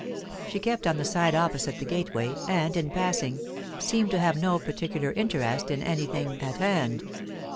She kept on the side opposite the gateway, and, in passing, seemed to have no particular interest in anything at hand.